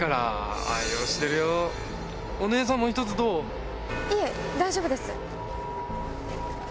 いえ大丈夫です。